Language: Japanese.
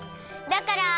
だから。